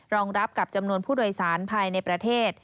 รองรับกับจำนวนผู้โดยสารภายในประเทศ